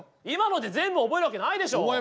今ので全部覚えるわけないでしょ。